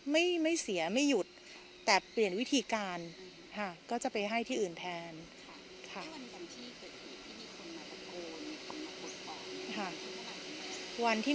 ไม่เสียไม่หยุดแต่เปลี่ยนวิธีการค่ะก็จะไปให้ที่อื่นแทนค่ะ